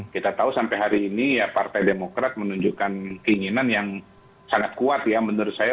kita tahu sampai hari ini ya partai demokrat menunjukkan keinginan yang sangat kuat ya menurut saya